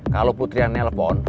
kalau putri yang nelfon